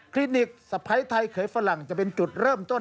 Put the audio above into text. ลินิกสะพ้ายไทยเขยฝรั่งจะเป็นจุดเริ่มต้น